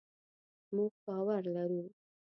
مونږ باور لرو